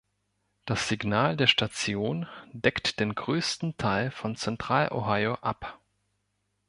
Das Signal der Station deckt den größten Teil von Zentral-Ohio ab.